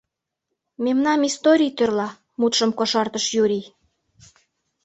— Мемнам историй тӧрла, — мутшым кошартыш Юрий.